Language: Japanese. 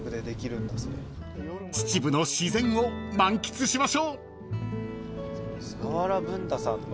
［秩父の自然を満喫しましょう］